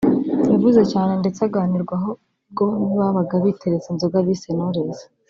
yavuze cyane ndetse aganirwaho ubwo bamwe babaga biteretse inzoga bise ’Knowless’